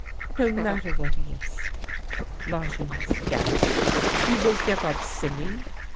"" No matter what he is! " Lajeunesse gasped. " You will give up singing!